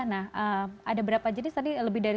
nah ada berapa jadi tadi lebih dari seratus